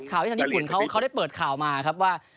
ที่ทางญี่ปุ่นเขาได้เปิดข่าวมาครับว่า